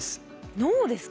脳ですか？